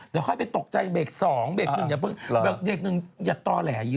เดี๋ยวค่อยไปตกใจเบรก๒เบรก๑เบรก๑อย่าตอแหละเยอะ